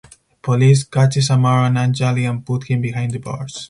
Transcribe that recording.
Police catches Amar and Anjali and put him behind the bars.